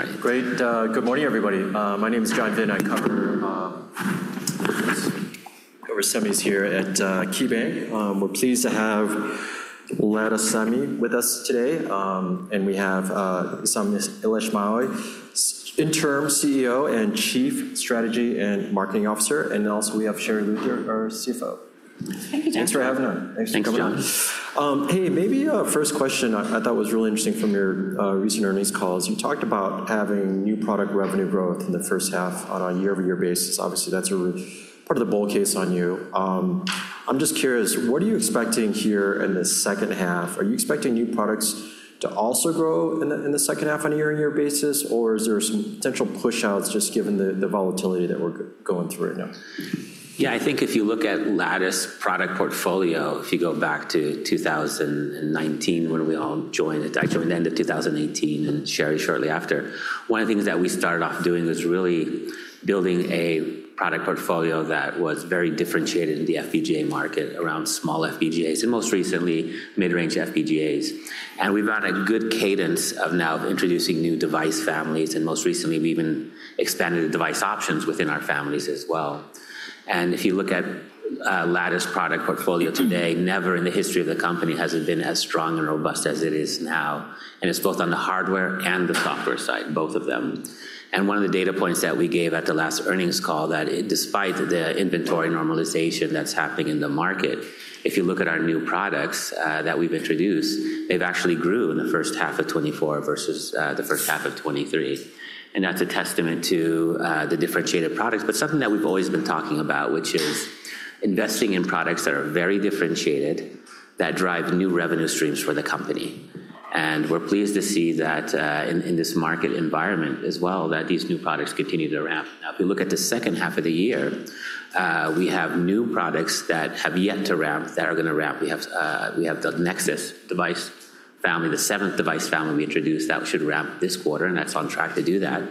All right, great. Good morning, everybody. My name is John Vinh. I cover semis here at KeyBanc. We're pleased to have Lattice Semi with us today. And we have Esam Elashmawi, interim CEO and Chief Strategy and Marketing Officer, and also we have Sherri Luther, our CFO. Thank you, John. Thanks for having us. Thanks for coming, John. Hey, maybe first question I thought was really interesting from your recent earnings calls. You talked about having new product revenue growth in the first half on a year-over-year basis. Obviously, that's a part of the bull case on you. I'm just curious, what are you expecting here in the second half? Are you expecting new products to also grow in the second half on a year-over-year basis, or is there some potential pushouts, just given the volatility that we're going through right now? Yeah, I think if you look at Lattice product portfolio, if you go back to 2019, when we all joined, actually the end of 2018, and Sherri shortly after, one of the things that we started off doing was really building a product portfolio that was very differentiated in the FPGA market around small FPGAs and most recently, mid-range FPGAs. And we've got a good cadence of now introducing new device families, and most recently, we even expanded the device options within our families as well. And if you look at Lattice product portfolio today, never in the history of the company has it been as strong and robust as it is now, and it's both on the hardware and the software side, both of them. One of the data points that we gave at the last earnings call, that despite the inventory normalization that's happening in the market, if you look at our new products, that we've introduced, they've actually grown in the first half of 2024 versus the first half of 2023. And that's a testament to the differentiated products, but something that we've always been talking about, which is investing in products that are very differentiated, that drive new revenue streams for the company. And we're pleased to see that, in this market environment as well, that these new products continue to ramp. Now, if we look at the second half of the year, we have new products that have yet to ramp, that are gonna ramp. We have, we have the Nexus device family, the seventh device family we introduced that should ramp this quarter, and that's on track to do that.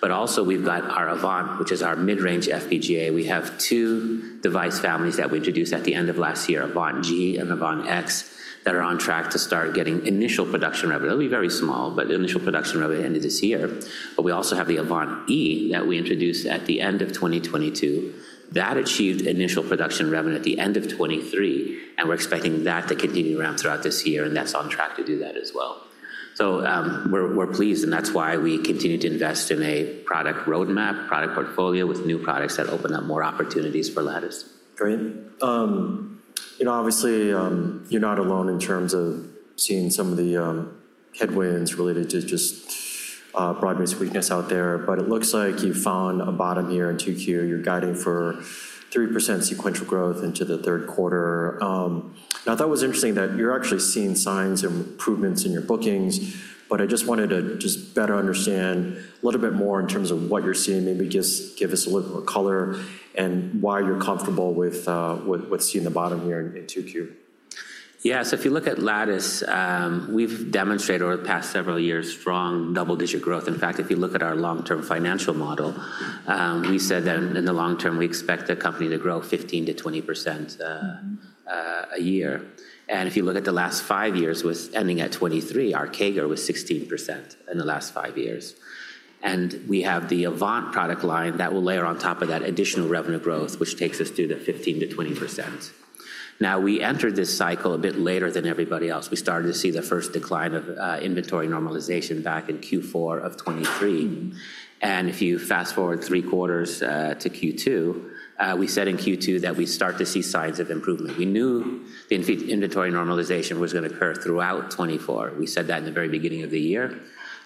But also we've got our Avant, which is our mid-range FPGA. We have two device families that we introduced at the end of last year, Avant-G and Avant-X, that are on track to start getting initial production revenue. It'll be very small, but initial production revenue end of this year. But we also have the Avant-E that we introduced at the end of 2022. That achieved initial production revenue at the end of 2023, and we're expecting that to continue to ramp throughout this year, and that's on track to do that as well. So, we're pleased, and that's why we continue to invest in a product roadmap, product portfolio with new products that open up more opportunities for Lattice. Great. You know, obviously, you're not alone in terms of seeing some of the headwinds related to just broad-based weakness out there, but it looks like you've found a bottom here in 2Q. You're guiding for 3% sequential growth into the third quarter. I thought it was interesting that you're actually seeing signs of improvements in your bookings, but I just wanted to just better understand a little bit more in terms of what you're seeing. Maybe just give us a little more color and why you're comfortable with what what's seeing the bottom here in in 2Q. Yeah. So if you look at Lattice, we've demonstrated over the past several years, strong double-digit growth. In fact, if you look at our long-term financial model, we said that in the long term, we expect the company to grow 15%-20% a year. If you look at the last five years, with ending at 2023, our CAGR was 16% in the last five years. We have the Avant product line that will layer on top of that additional revenue growth, which takes us to the 15%-20%. Now, we entered this cycle a bit later than everybody else. We started to see the first decline of inventory normalization back in Q4 of 2023. If you fast-forward three quarters to Q2, we said in Q2 that we start to see signs of improvement. We knew the in inventory normalization was gonna occur throughout 2024. We said that in the very beginning of the year.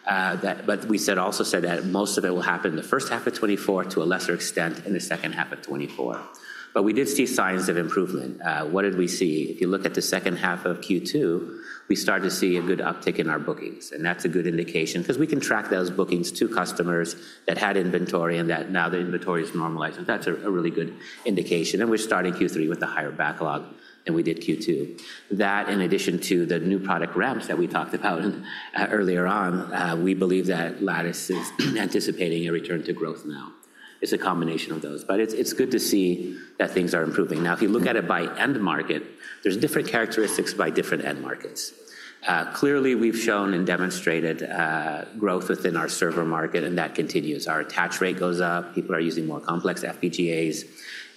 But we also said that most of it will happen in the first half of 2024, to a lesser extent in the second half of 2024. But we did see signs of improvement. What did we see? If you look at the second half of Q2, we started to see a good uptick in our bookings, and that's a good indication because we can track those bookings to customers that had inventory and that now the inventory is normalized. So that's a really good indication, and we're starting Q3 with a higher backlog than we did Q2. In addition to the new product ramps that we talked about earlier on, we believe that Lattice is anticipating a return to growth now. It's a combination of those, but it's, it's good to see that things are improving. Now, if you look at it by end market, there's different characteristics by different end markets. Clearly, we've shown and demonstrated growth within our server market, and that continues. Our attach rate goes up. People are using more complex FPGAs,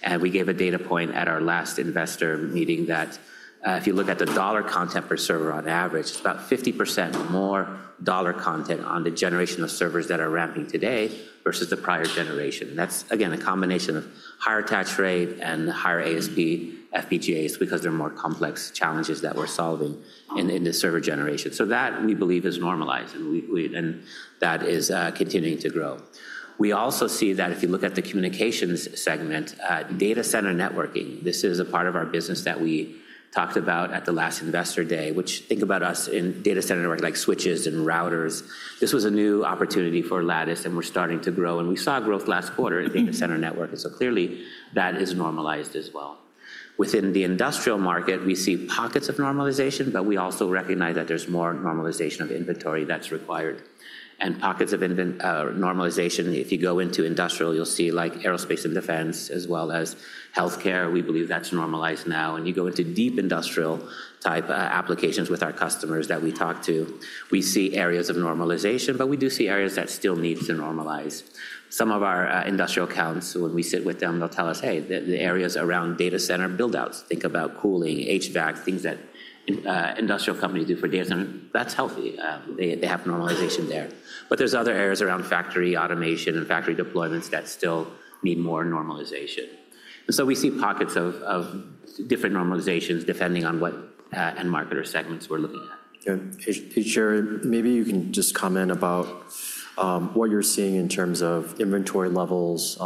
and we gave a data point at our last investor meeting that, if you look at the dollar content per server, on average, it's about 50% more dollar content on the generation of servers that are ramping today versus the prior generation. That's, again, a combination of higher attach rate and higher ASP FPGAs because they're more complex challenges that we're solving in, in the server generation. So that, we believe, is normalized, and we—and that is continuing to grow. We also see that if you look at the communications segment, data center networking, this is a part of our business that we talked about at the last Investor Day, which think about us in data center network, like switches and routers. This was a new opportunity for Lattice, and we're starting to grow, and we saw growth last quarter in data center networking, so clearly that is normalized as well. Within the industrial market, we see pockets of normalization, but we also recognize that there's more normalization of inventory that's required. And pockets of normalization, if you go into industrial, you'll see, like aerospace and defense as well as healthcare. We believe that's normalized now. When you go into deep industrial-type applications with our customers that we talk to, we see areas of normalization, but we do see areas that still need to normalize. Some of our industrial accounts, when we sit with them, they'll tell us, "Hey, the areas around data center build-outs," think about cooling, HVAC, things that industrial companies do for data center. That's healthy. They have normalization there. But there's other areas around factory automation and factory deployments that still need more normalization. And so we see pockets of different normalizations depending on what end market or segments we're looking at. Okay. Hey, Sherri, maybe you can just comment about what you're seeing in terms of inventory levels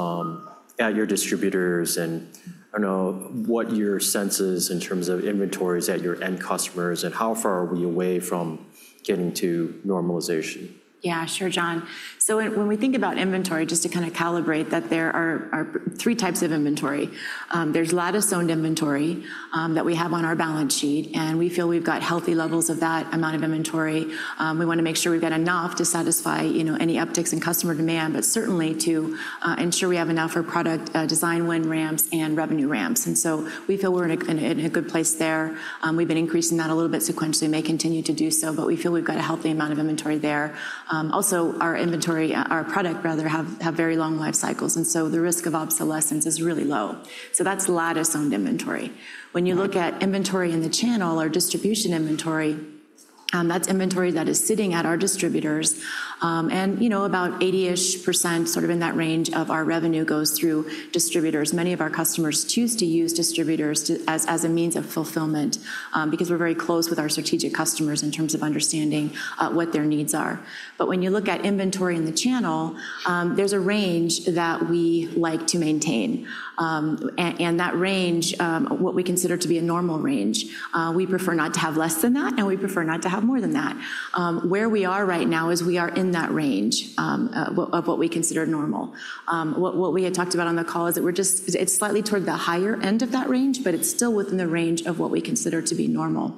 at your distributors, and I don't know what your sense is in terms of inventories at your end customers, and how far are we away from getting to normalization? Yeah, sure, John. So when we think about inventory, just to kind of calibrate, that there are three types of inventory. There's Lattice-owned inventory, that we have on our balance sheet, and we feel we've got healthy levels of that amount of inventory. We want to make sure we've got enough to satisfy, you know, any upticks in customer demand, but certainly to ensure we have enough for product design win ramps and revenue ramps. And so we feel we're in a good place there. We've been increasing that a little bit sequentially, may continue to do so, but we feel we've got a healthy amount of inventory there. Also, our inventory, our product, rather, have very long life cycles, and so the risk of obsolescence is really low. So that's Lattice-owned inventory. When you look at inventory in the channel or distribution inventory, that's inventory that is sitting at our distributors. And, you know, about 80%, sort of in that range of our revenue, goes through distributors. Many of our customers choose to use distributors to, as a means of fulfillment, because we're very close with our strategic customers in terms of understanding what their needs are. But when you look at inventory in the channel, there's a range that we like to maintain. And that range, what we consider to be a normal range, we prefer not to have less than that, and we prefer not to have more than that. Where we are right now is we are in that range, of what we consider normal. What we had talked about on the call is that we're just, it's slightly toward the higher end of that range, but it's still within the range of what we consider to be normal.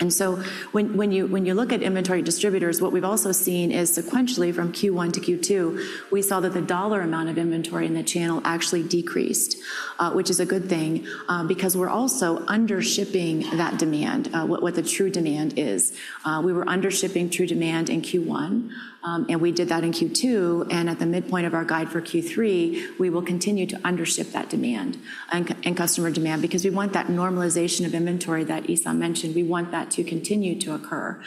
And so when you look at inventory distributors, what we've also seen is sequentially from Q1 to Q2, we saw that the dollar amount of inventory in the channel actually decreased, which is a good thing, because we're also under shipping that demand, what the true demand is. We were under shipping true demand in Q1, and we did that in Q2, and at the midpoint of our guide for Q3, we will continue to under ship that demand and customer demand because we want that normalization of inventory that Esam mentioned. We want that to continue to occur.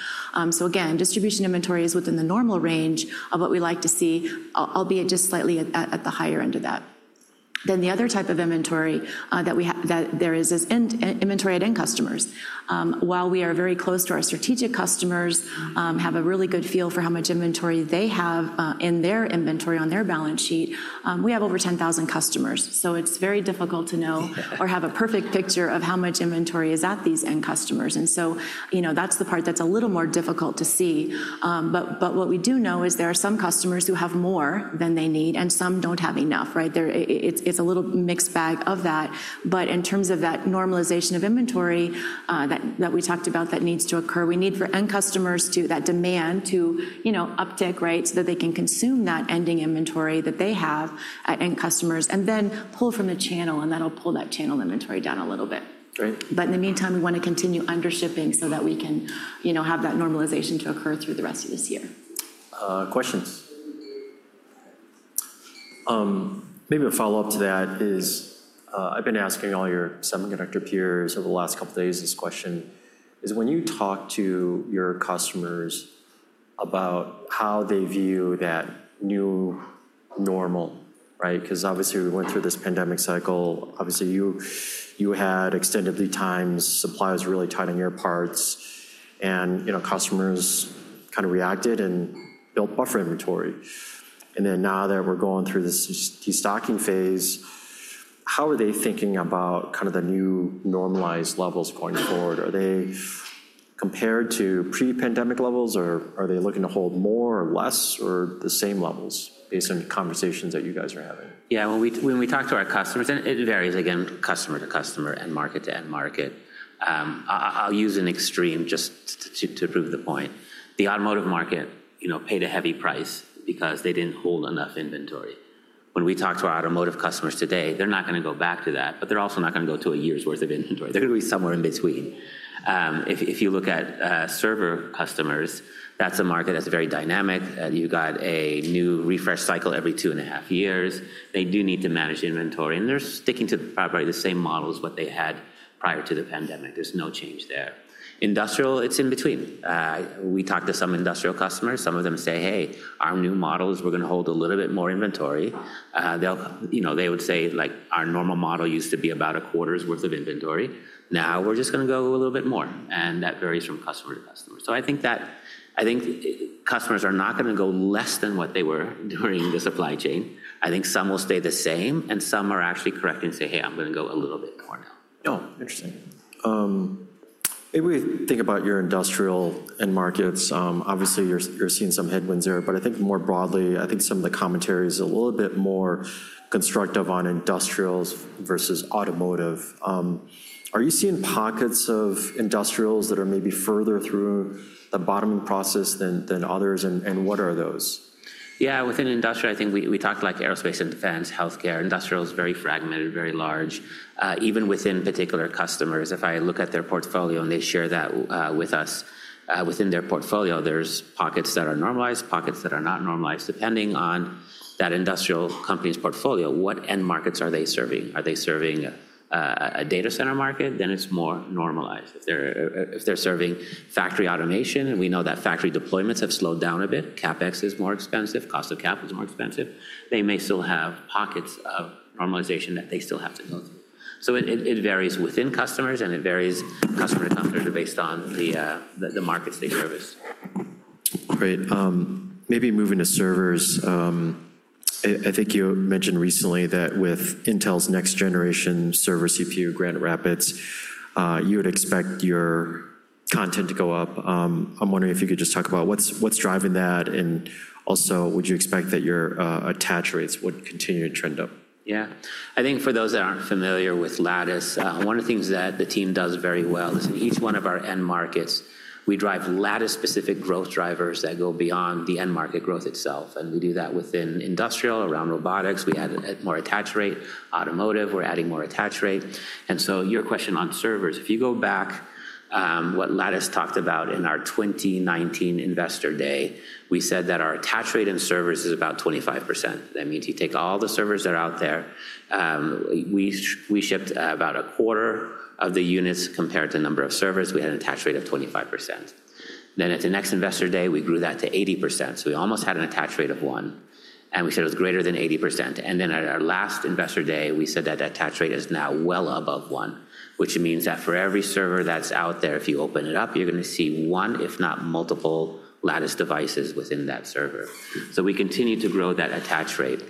So again, distribution inventory is within the normal range of what we like to see, albeit just slightly at the higher end of that. Then the other type of inventory that we have that there is is end inventory at end customers. While we are very close to our strategic customers, have a really good feel for how much inventory they have in their inventory on their balance sheet, we have over 10,000 customers, so it's very difficult to know or have a perfect picture of how much inventory is at these end customers. And so, you know, that's the part that's a little more difficult to see. But what we do know is there are some customers who have more than they need, and some don't have enough, right? It's a little mixed bag of that. But in terms of that normalization of inventory that we talked about that needs to occur, we need for end customers to, that demand to, you know, uptick, right? So that they can consume that ending inventory that they have at end customers and then pull from the channel, and that'll pull that channel inventory down a little bit. Great. In the meantime, we want to continue under shipping so that we can, you know, have that normalization to occur through the rest of this year. Questions? Maybe a follow-up to that is, I've been asking all your semiconductor peers over the last couple of days this question: is when you talk to your customers about how they view that new normal, right? Because obviously, we went through this pandemic cycle. Obviously, you had extended lead times, supplies really tight on your parts, and, you know, customers kind of reacted and built buffer inventory. And then now that we're going through this destocking phase, how are they thinking about kind of the new normalized levels going forward? Are they compared to pre-pandemic levels, or are they looking to hold more or less, or the same levels, based on the conversations that you guys are having? Yeah, when we talk to our customers, and it varies again, customer to customer and market to end market. I'll use an extreme just to prove the point. The automotive market, you know, paid a heavy price because they didn't hold enough inventory. When we talk to our automotive customers today, they're not going to go back to that, but they're also not going to go to a year's worth of inventory. They're going to be somewhere in between. If you look at server customers, that's a market that's very dynamic. You got a new refresh cycle every two and half years. They do need to manage inventory, and they're sticking to probably the same model as what they had prior to the pandemic. There's no change there. Industrial, it's in between. We talked to some industrial customers. Some of them say, "Hey, our new models, we're going to hold a little bit more inventory." They'll, you know, they would say, like, "Our normal model used to be about a quarter's worth of inventory. Now, we're just going to go a little bit more," and that varies from customer to customer. So I think that, I think customers are not going to go less than what they were during the supply chain. I think some will stay the same, and some are actually correct and say, "Hey, I'm going to go a little bit more now. Oh, interesting. If we think about your industrial end markets, obviously, you're seeing some headwinds there, but I think more broadly, I think some of the commentary is a little bit more constructive on industrials versus automotive. Are you seeing pockets of industrials that are maybe further through the bottoming process than others, and what are those? Yeah, within industrial, I think we talked like aerospace and defense, healthcare. Industrial is very fragmented, very large. Even within particular customers, if I look at their portfolio and they share that with us, within their portfolio, there's pockets that are normalized, pockets that are not normalized, depending on that industrial company's portfolio. What end markets are they serving? Are they serving a data center market? Then it's more normalized. If they're serving factory automation, and we know that factory deployments have slowed down a bit, CapEx is more expensive, cost of capital is more expensive, they may still have pockets of normalization that they still have to go through. So it varies within customers, and it varies customer to customer based on the markets they service. Great. Maybe moving to servers, I think you mentioned recently that with Intel's next generation server CPU, Granite Rapids, you would expect your content to go up. I'm wondering if you could just talk about what's driving that, and also, would you expect that your attach rates would continue to trend up? Yeah. I think for those that aren't familiar with Lattice, one of the things that the team does very well is in each one of our end markets, we drive Lattice-specific growth drivers that go beyond the end market growth itself, and we do that within industrial, around robotics. We add a more attach rate. Automotive, we're adding more attach rate. And so your question on servers, if you go back, what Lattice talked about in our 2019 Investor Day, we said that our attach rate in servers is about 25%. That means you take all the servers that are out there, we shipped, about a quarter of the units compared to the number of servers. We had an attach rate of 25%. Then at the next Investor Day, we grew that to 80%, so we almost had an attach rate of one, and we said it was greater than 80%. And then at our last Investor Day, we said that the attach rate is now well above one, which means that for every server that's out there, if you open it up, you're going to see one, if not multiple, Lattice devices within that server. So we continue to grow that attach rate.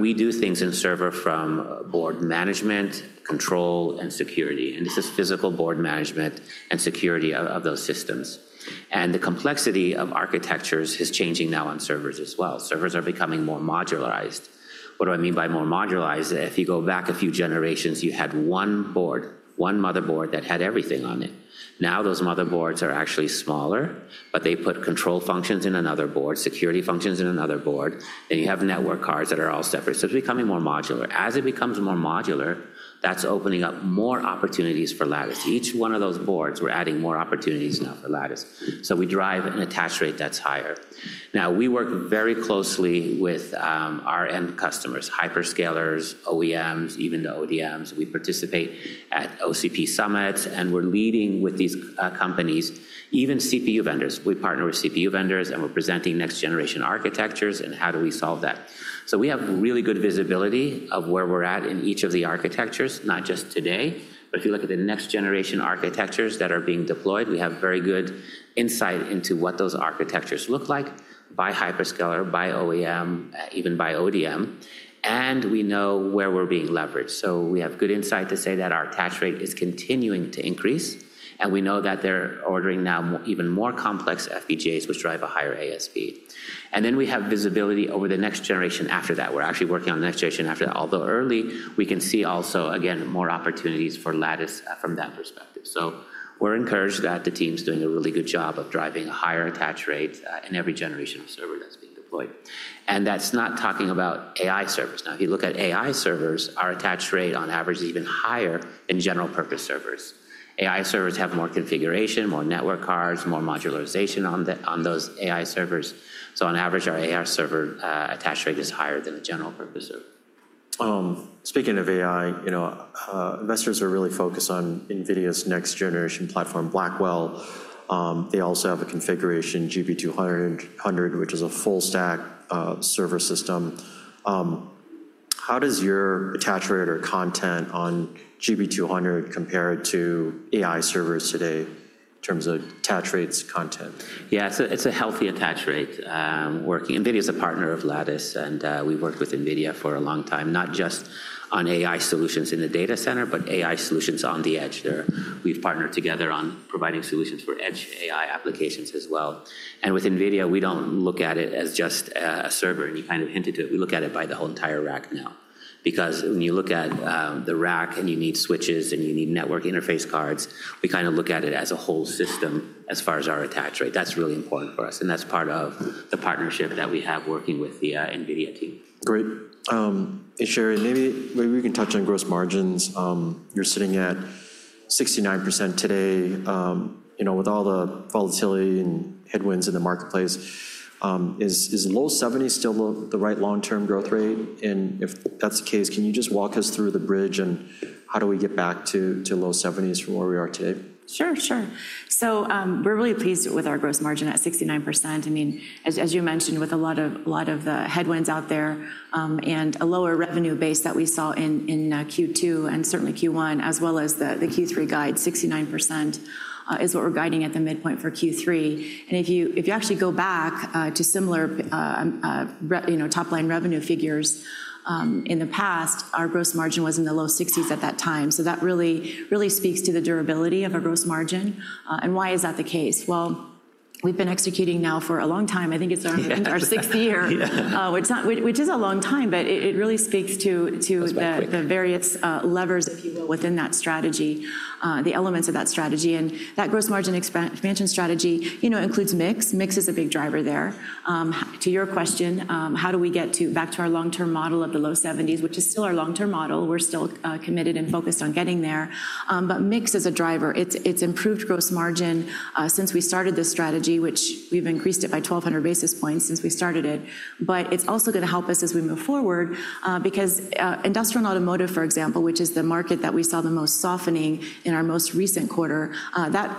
We do things in server from board management, control, and security, and this is physical board management and security of those systems. And the complexity of architectures is changing now on servers as well. Servers are becoming more modularized. What do I mean by more modularized? If you go back a few generations, you had one board, one motherboard that had everything on it. Now, those motherboards are actually smaller, but they put control functions in another board, security functions in another board, and you have network cards that are all separate. So it's becoming more modular. As it becomes more modular, that's opening up more opportunities for Lattice. Each one of those boards, we're adding more opportunities now for Lattice, so we drive an attach rate that's higher. Now, we work very closely with our end customers, hyperscalers, OEMs, even the ODMs. We participate at OCP summits, and we're leading with these companies, even CPU vendors. We partner with CPU vendors, and we're presenting next-generation architectures and how do we solve that. So we have really good visibility of where we're at in each of the architectures, not just today, but if you look at the next-generation architectures that are being deployed, we have very good insight into what those architectures look like by hyperscaler, by OEM, even by ODM, and we know where we're being leveraged. So we have good insight to say that our attach rate is continuing to increase, and we know that they're ordering now even more complex FPGAs, which drive a higher ASP. And then we have visibility over the next generation after that. We're actually working on the next generation after that. Although early, we can see also, again, more opportunities for Lattice, from that perspective. So we're encouraged that the team's doing a really good job of driving a higher attach rate, in every generation of server that's being deployed. That's not talking about AI servers. Now, if you look at AI servers, our attach rate on average is even higher than general purpose servers. AI servers have more configuration, more network cards, more modularization on those AI servers. So on average, our AI server attach rate is higher than the general purpose server. Speaking of AI, you know, investors are really focused on NVIDIA's next generation platform, Blackwell. They also have a configuration, GB200, H100, which is a full stack server system. How does your attach rate or content on GB200 compare to AI servers today in terms of attach rates content? Yeah, it's a, it's a healthy attach rate. NVIDIA is a partner of Lattice, and we've worked with NVIDIA for a long time, not just on AI solutions in the data center, but AI solutions on the edge there. We've partnered together on providing solutions for edge AI applications as well. And with NVIDIA, we don't look at it as just a, a server, and you kind of hinted it. We look at it by the whole entire rack now. Because when you look at the rack, and you need switches, and you need network interface cards, we kind of look at it as a whole system as far as our attach rate. That's really important for us, and that's part of the partnership that we have working with the NVIDIA team. Great. Hey, Sherri, maybe we can touch on gross margins. You're sitting at 69% today. You know, with all the volatility and headwinds in the marketplace, is low 70% still the right long-term growth rate? And if that's the case, can you just walk us through the bridge, and how do we get back to low 70s% from where we are today? Sure, sure. So, we're really pleased with our gross margin at 69%. I mean, as you mentioned, with a lot of headwinds out there, and a lower revenue base that we saw in Q2, and certainly Q1, as well as the Q3 guide, 69% is what we're guiding at the midpoint for Q3. And if you actually go back to similar, you know, top-line revenue figures in the past, our gross margin was in the low 60s at that time. So that really speaks to the durability of a gross margin. And why is that the case? Well, we've been executing now for a long time. I think it's our- Yeah. Our sixth year. Yeah. which is a long time, but it really speaks to the- That's quite quick.... the various, levers, if you will, within that strategy, the elements of that strategy. And that gross margin expansion strategy, you know, includes mix. Mix is a big driver there. To your question, how do we get back to our long-term model of the low 70s, which is still our long-term model. We're still, committed and focused on getting there. But mix is a driver. It's, it's improved gross margin, since we started this strategy, which we've increased it by 1,200 basis points since we started it. But it's also gonna help us as we move forward, because, industrial and automotive, for example, which is the market that we saw the most softening in our most recent quarter, that,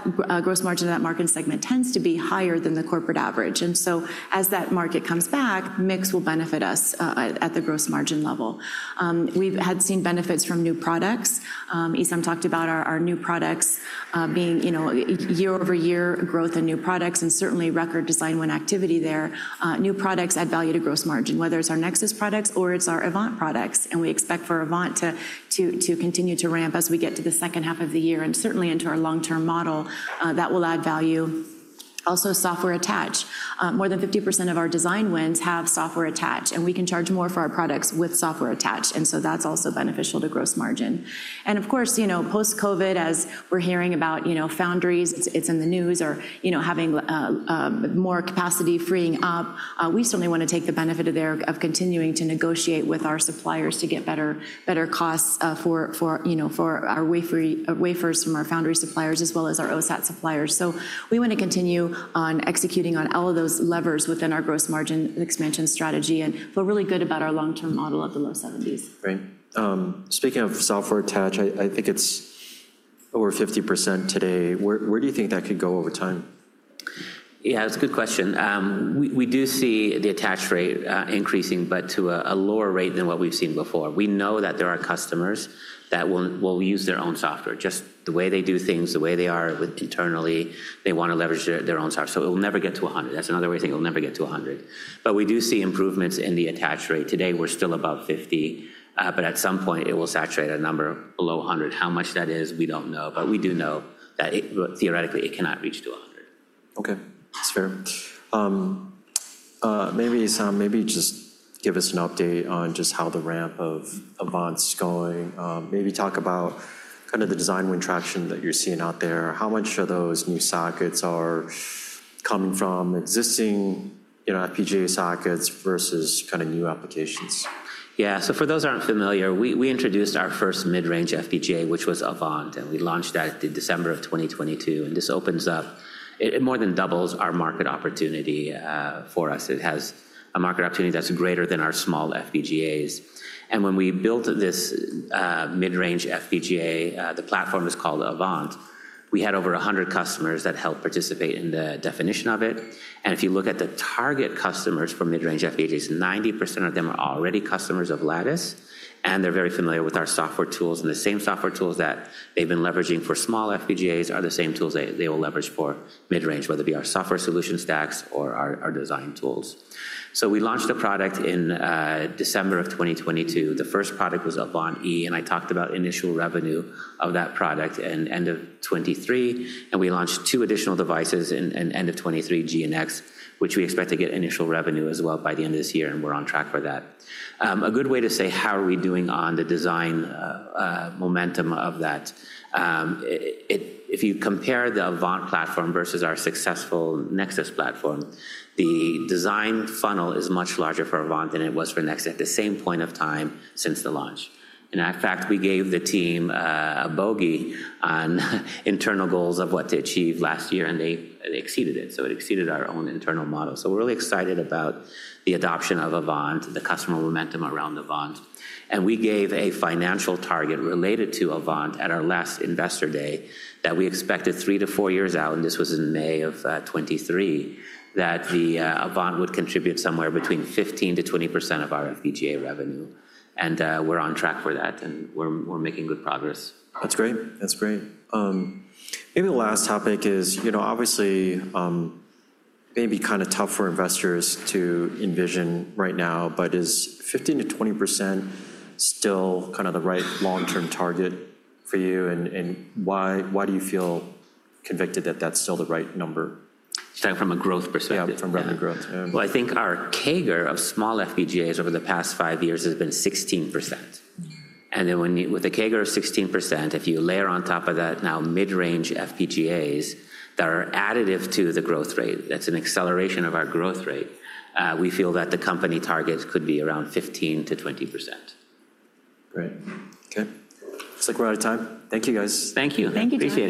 gross margin in that market segment tends to be higher than the corporate average. And so as that market comes back, mix will benefit us at the gross margin level. We've had seen benefits from new products. Esam talked about our new products being, you know, year-over-year growth in new products and certainly record design win activity there. New products add value to gross margin, whether it's our Nexus products or it's our Avant products, and we expect for Avant to continue to ramp as we get to the second half of the year and certainly into our long-term model. That will add value.... Also, software attach. More than 50% of our design wins have software attached, and we can charge more for our products with software attached, and so that's also beneficial to gross margin. Of course, you know, post-COVID, as we're hearing about, you know, foundries, it's in the news or, you know, having more capacity freeing up. We certainly want to take the benefit of continuing to negotiate with our suppliers to get better costs for our wafers from our foundry suppliers as well as our OSAT suppliers. So we want to continue executing on all of those levers within our gross margin expansion strategy, and feel really good about our long-term model of the low 70s%. Great. Speaking of software attach, I think it's over 50% today. Where do you think that could go over time? Yeah, it's a good question. We, we do see the attach rate increasing, but to a, a lower rate than what we've seen before. We know that there are customers that will, will use their own software. Just the way they do things, the way they are with internally, they want to leverage their, their own software. So it will never get to 100. That's another way to think it will never get to 100. But we do see improvements in the attach rate. Today, we're still above 50, but at some point it will saturate a number below 100. How much that is, we don't know, but we do know that it theoretically, it cannot reach to 100. Okay, that's fair. Maybe, Esam, maybe just give us an update on just how the ramp of Avant's going. Maybe talk about kind of the design win traction that you're seeing out there. How much of those new sockets are coming from existing, you know, FPGA sockets versus kind of new applications? Yeah. So for those who aren't familiar, we introduced our first mid-range FPGA, which was Avant, and we launched that in December 2022, and this opens up—it more than doubles our market opportunity for us. It has a market opportunity that's greater than our small FPGAs. And when we built this mid-range FPGA, the platform is called Avant. We had over 100 customers that helped participate in the definition of it. And if you look at the target customers for mid-range FPGAs, 90% of them are already customers of Lattice, and they're very familiar with our software tools, and the same software tools that they've been leveraging for small FPGAs are the same tools they will leverage for mid-range, whether it be our software solution stacks or our design tools. So we launched the product in December of 2022. The first product was Avant-E, and I talked about initial revenue of that product in end of 2023, and we launched two additional devices in end of 2023, G and X, which we expect to get initial revenue as well by the end of this year, and we're on track for that. A good way to say how are we doing on the design momentum of that, if you compare the Avant platform versus our successful Nexus platform, the design funnel is much larger for Avant than it was for Nexus at the same point of time since the launch. And in fact, we gave the team a bogey on internal goals of what to achieve last year, and they exceeded it. So it exceeded our own internal model. So we're really excited about the adoption of Avant, the customer momentum around Avant, and we gave a financial target related to Avant at our last Investor Day, that we expected three to four years out, and this was in May of 2023, that the Avant would contribute somewhere between 15%-20% of our FPGA revenue. And we're on track for that, and we're making good progress. That's great. That's great. Maybe the last topic is, you know, obviously, maybe kind of tough for investors to envision right now, but is 15%-20% still kind of the right long-term target for you, and, and why do you feel convicted that that's still the right number? Starting from a growth perspective? Yeah, from revenue growth. Well, I think our CAGR of small FPGAs over the past five years has been 16%. And then with a CAGR of 16%, if you layer on top of that now mid-range FPGAs that are additive to the growth rate, that's an acceleration of our growth rate. We feel that the company targets could be around 15%-20%. Great. Okay. Looks like we're out of time. Thank you, guys. Thank you. Thank you. Appreciate it.